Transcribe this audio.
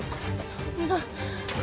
そんな。